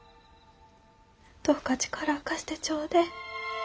どうか力を貸してちょうでえ。